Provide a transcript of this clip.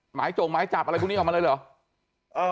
จงหมายจับอะไรพวกนี้ออกมาเลยเหรอ